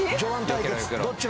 どっち？